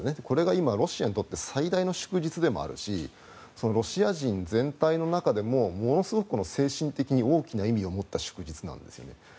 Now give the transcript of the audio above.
これが今、ロシアにとって最大の祝日でもあるしロシア人全体の中でもものすごく精神的に大きな意味を持った祝日なんです。